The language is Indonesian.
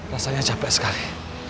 rasanya capek sekali